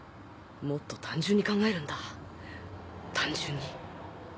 もっと単純に考えるんだ単純に